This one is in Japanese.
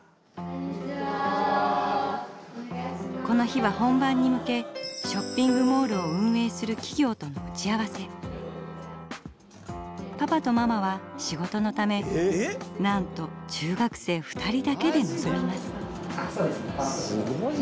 この日は本番に向けショッピングモールを運営するパパとママは仕事のためなんと中学生２人だけでのぞみます。